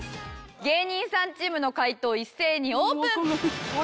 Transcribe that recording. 芸人さんチームの解答一斉にオープン。